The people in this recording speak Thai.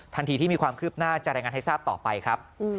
ทันทีที่มีความคืบหน้าจะรายงานให้ทราบต่อไปครับ